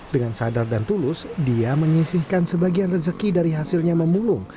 dengan sadar dan tulus dia menyisihkan sebagian rezeki dari hasilnya memulung